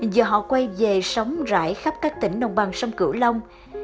giờ họ quay về sống rãi khắp các tỉnh nông bằng sông cửu long